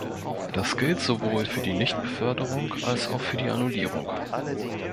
Das gilt sowohl für die Nichtbeförderung als auch für die Annullierung.